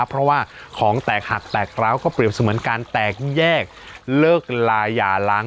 เพราะว่าของแตกหักแตกร้าวก็เปรียบเสมือนการแตกแยกเลิกลาอย่าล้าง